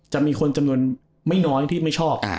จะมีคนจำนวนไม่น้อยที่ไม่ชอบ